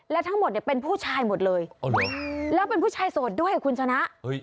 และทั้งหมดเนี่ยเป็นผู้ชายหมดเลยแล้วเป็นผู้ชายโสดด้วยคุณชนะ